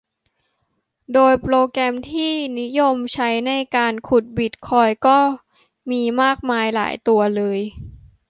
โดยโปรแกรมที่นิยมใช้ในการขุดบิตคอยน์ก็มีมากมายหลายตัวเลย